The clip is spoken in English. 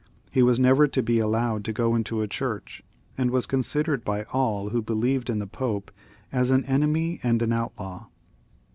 He was never to be allowed to go into a church, and was considered by all who beUeved in the Pope as an enemy and an outlaw.